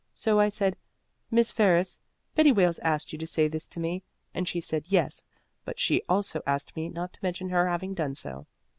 So I said, 'Miss Ferris, Betty Wales asked you to say this to me,' and she said, 'Yes, but she also asked me not to mention her having done so.'